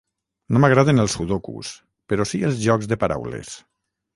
No m'agraden els sudokus, però sí els jocs de paraules.